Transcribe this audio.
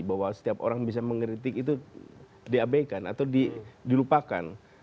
bahwa setiap orang bisa mengkritik itu diabeikan atau dilupakan